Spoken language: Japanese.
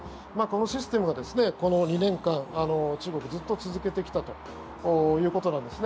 このシステムが、この２年間中国、ずっと続けてきたということなんです。